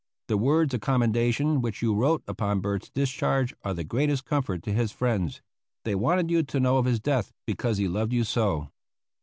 The words of commendation which you wrote upon Bert's discharge are the greatest comfort to his friends. They wanted you to know of his death, because he loved you so.